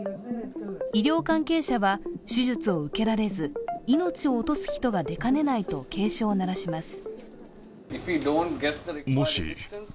医療関係者は、手術を受けられず命を落とす人が出かねないと警鐘を鳴らします。